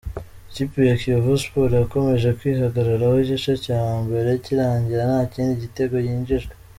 Ikipe ya Kiyovu Sports yakomeje kwihagararaho igice cya mbere kirangira nta kindi gitego yinjijwe.